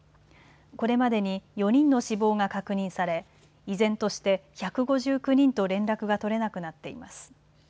これまでに４人の死亡が確認され依然として１５９人と連絡が取れなくなっています。